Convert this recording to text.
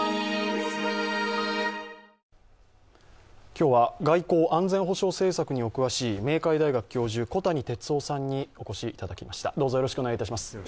今日は、外交・安全保障にお詳しい明海大学教授、小谷哲男さんにお越しいただきました。